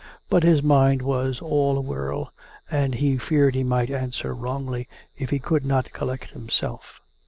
But his mind was all a whirl ; and he feared he might answer wrongly if he could not collect himself.